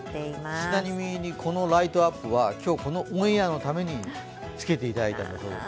ちなみに、このライトアップは今日このオンエアのためにつけていただいたんだそうです。